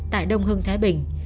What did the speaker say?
tại đông hưng thái bình